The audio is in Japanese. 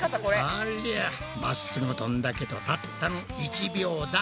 ありゃまっすぐ飛んだけどたったの１秒だ。